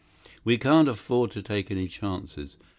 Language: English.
We can't afford to take any chances.